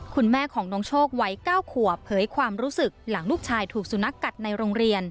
คุณแม่ของน้องโชควัย๙ขวบเผยความรู้สึกหลังลูกชายถูกสุนัขกัดในโรงเรียน